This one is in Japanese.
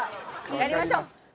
やりましょう。